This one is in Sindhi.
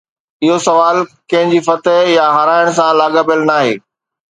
اهو سوال ڪنهن جي فتح يا هارائڻ سان لاڳاپيل ناهي.